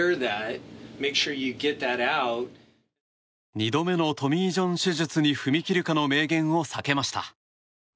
２度目のトミー・ジョン手術に踏み切るかの明言を避けました。